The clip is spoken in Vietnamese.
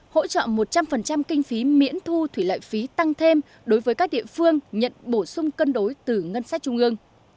hỗ trợ một trăm linh kinh phí miễn thu thủy lợi phí tăng thêm đối với các địa phương nhận bổ sung cân đối từ ngân sách trung ương